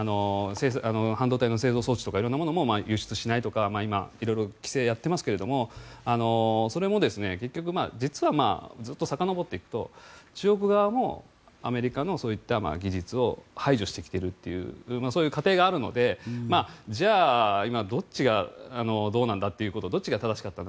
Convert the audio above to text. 半導体の製造装置とか色々なものを輸出しないとか今、色々と規制をやっていますがそれも結局、実はずっとさかのぼっていくと中国側もアメリカのそういった技術を排除してきているというそういう過程があるのでじゃあどっちがどうなんだということどっちが正しかったんだ